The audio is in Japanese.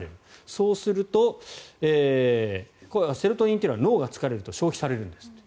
そうするとセロトニンというのは脳が疲れると消費されるんですって。